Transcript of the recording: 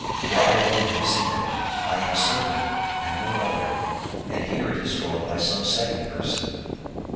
For I alone have seen it, I am certain, and no other; and here it is drawn by some second person."